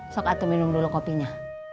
sok atau minum dulu kopinya